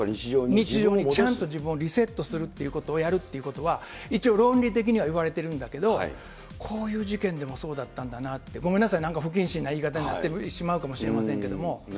日常にちゃんとリセットするっていうことをやるということは、一応論理的にいわれているんだけれども、こういう事件でもそうだったんだなって、ごめんなさい、なんか不謹慎な言い方になってしまうかもしれませんけれども。